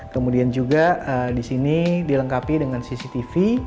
kemudian juga di sini dilengkapi dengan cctv